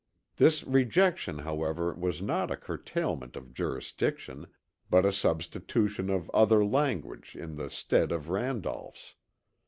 This rejection however was not a curtailment of jurisdiction, but a substitution of other language in the stead of Randolph's.